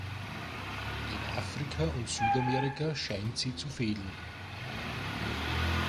In Afrika und Südamerika scheint sie zu fehlen.